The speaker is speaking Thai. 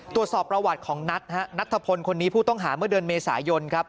ตรวจสอบประวัติของนัทฮะนัทธพลคนนี้ผู้ต้องหาเมื่อเดือนเมษายนครับ